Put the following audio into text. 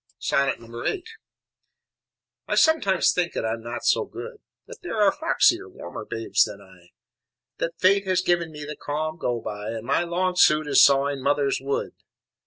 VIII I sometimes think that I am not so good, That there are foxier, warmer babes than I, That Fate has given me the calm go by And my long suit is sawing mother's wood.